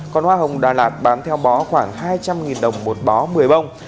còn hoa hồng đà lạt bán theo bó khoảng hai trăm linh đồng một bó một mươi bông